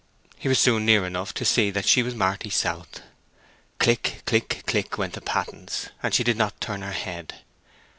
He was soon near enough to see that she was Marty South. Click, click, click went the pattens; and she did not turn her head.